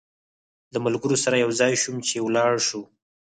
له ملګرو سره یو ځای شوم چې ولاړ شو.